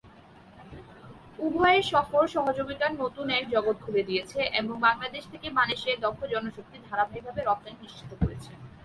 উভয়ের সফর সহযোগিতার নতুন এক জগৎ খুলে দিয়েছে এবং বাংলাদেশ থেকে মালয়েশিয়ায় দক্ষ জনশক্তি ধারাবাহিকভাবে রপ্তানি নিশ্চিত করেছে।